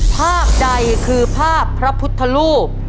ภาพใดคือภาพพระพุทธรูป